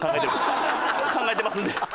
考えてますんで。